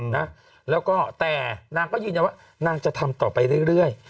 นะแล้วก็แต่นางก็ยืนยันว่านางจะทำต่อไปเรื่อย